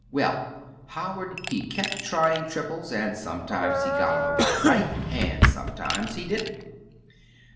"Well, Howard he kept trying triples, and sometimes he got 'em about right and sometimes he didn't.